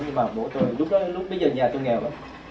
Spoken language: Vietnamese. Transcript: nhưng mà bố tôi lúc bây giờ nhà tôi nghèo lắm